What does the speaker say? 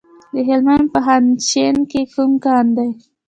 د هلمند په خانشین کې کوم کان دی؟